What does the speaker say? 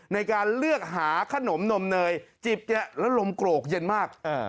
ในการเลือกหาขนมนมเนยจิบแล้วลมโกรกเย็นมาก